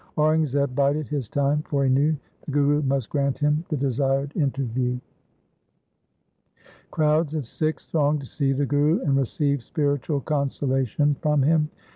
Aurangzeb bided his time, for he knew the Guru must grant him the desired interview. Crowds of Sikhs thronged to see the Guru and receive spiritual consolation from him.